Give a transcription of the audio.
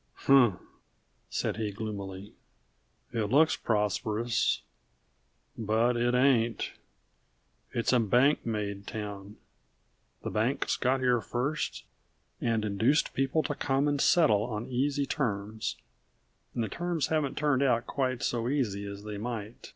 "Humph!" said he gloomily. "It looks prosperous, but it ain't! It's a bank made town. The banks got here first, and induced people to come and settle on easy terms, and the terms haven't turned out quite so easy as they might.